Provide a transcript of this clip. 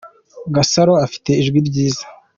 Gasaro afite ijwi ryiza.